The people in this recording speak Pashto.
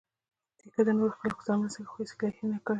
نیکه د نورو خلکو سره مرسته کوي، خو هیڅکله یې هېر نه کوي.